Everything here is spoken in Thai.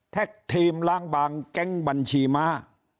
ทีมล้างบางแก๊งบัญชีม้า